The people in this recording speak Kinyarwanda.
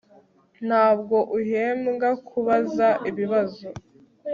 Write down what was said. Ntabwo uhembwa kubaza ibibazo